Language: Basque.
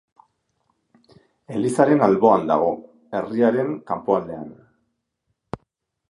Elizaren alboan dago, herriaren kanpoaldean.